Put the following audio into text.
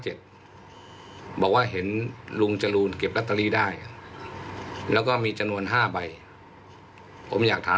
หาว่าขอสินค้นให้แช่แล้วก็ให้สรุปครั้งหน้า